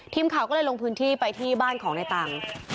ทีมข่าวก็เลยลงพื้นที่ไปที่บ้านของในตังค์